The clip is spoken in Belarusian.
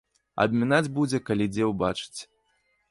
Абмінаць будзе, калі дзе ўбачыць.